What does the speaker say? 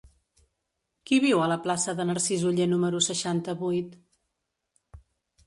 Qui viu a la plaça de Narcís Oller número seixanta-vuit?